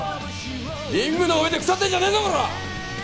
リングの上で腐ってんじゃねえぞコラ！